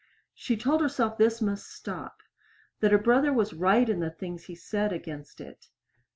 She told herself this must stop that her brother was right in the things he said against it.